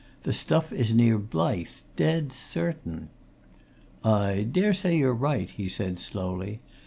The stuff is near Blyth! Dead certain!" "I dare say you're right," he said slowly.